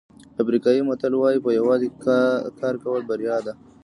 افریقایي متل وایي په یووالي کار کول بریا ده.